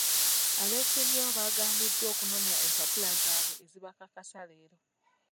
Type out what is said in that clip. Abeesimbyewo baagambiddwa okunona empapula zaabwe ezibakakasa leero.